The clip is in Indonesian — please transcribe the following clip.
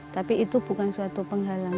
tapi itu bukan suatu penghalang